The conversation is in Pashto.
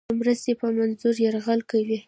د مرستې په منظور یرغل کوي.